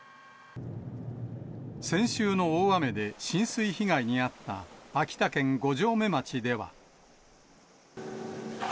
先週の大雨で浸水被害に遭った、秋田県五城目町では。